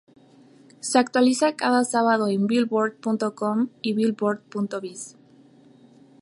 Se actualiza cada sábado en "Billboard.com" y "Billboard.biz".